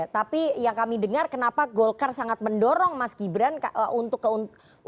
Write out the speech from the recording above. tapi yang kami dengar kenapa golkar sangat mendorong mas gibran untuk keuntungan